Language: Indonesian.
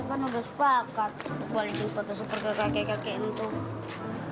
buat ngasih sepatu super kek kakek kakek nek tuh